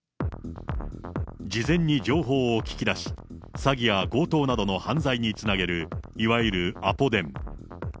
事前に情報を聞き出し、詐欺や強盗などの犯罪につなげる、いわゆるアポ電。